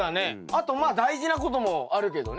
あとまあ大事なこともあるけどね。